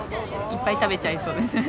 いっぱい食べちゃいそうですね。